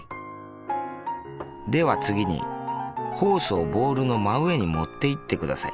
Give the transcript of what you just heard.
では次にホースをボールの真上に持っていってください。